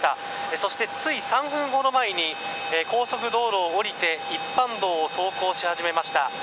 そして、つい３分ほど前に高速道路を降りて一般道を走行し始めました。